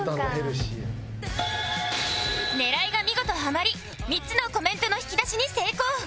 狙いが見事ハマり３つのコメントの引き出しに成功